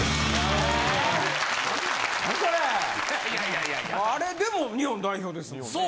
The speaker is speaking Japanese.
・いやいや・あれでも日本代表ですもんね。